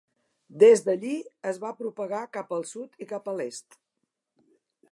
Des d'allí es va propagar cap al sud i cap a l'est.